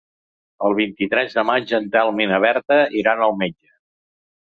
El vint-i-tres de maig en Telm i na Berta iran al metge.